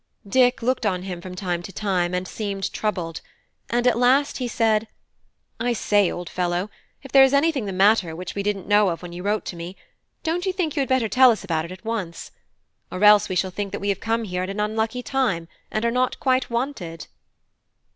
Dick looked on him from time to time, and seemed troubled; and at last he said: "I say, old fellow, if there is anything the matter which we didn't know of when you wrote to me, don't you think you had better tell us about it at once? Or else we shall think we have come here at an unlucky time, and are not quite wanted."